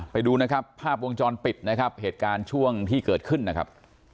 ไปดูนะครับภาพวงจรปิดนะครับเหตุการณ์ช่วงที่เกิดขึ้นนะครับ